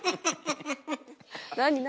何何。